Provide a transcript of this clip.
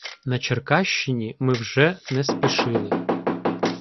На Черкащині ми вже не спішили.